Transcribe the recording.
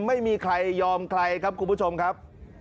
ไม่มีใครยอมใครครับคุณผู้ชมครับ